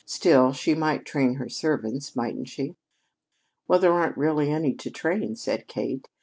Still, she might train her servants, mightn't she?" "Well, there aren't really any to train," said Kate.